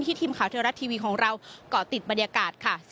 ที่ทีมข่าวเทวรัสทีวีของเราก่อติดบรรยากาศ